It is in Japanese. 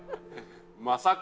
まさか。